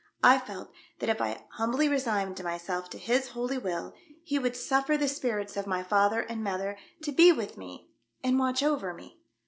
I felt that if I humbly resigned myself to His holy will He would suffer the spirits of my father and mother to be with me and watch over me.